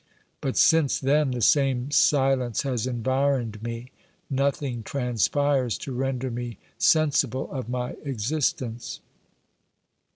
But since then the same silence has environed me ; nothing transpires to render me sensible of my existence.